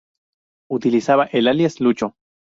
Utilizaba el alias "Lucho".